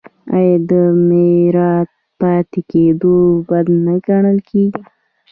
آیا د میرات پاتې کیدل بد نه ګڼل کیږي؟